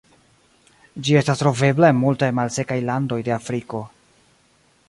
Ĝi estas trovebla en multaj malsekaj landoj de Afriko.